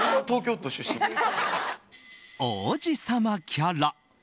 王子様キャラ。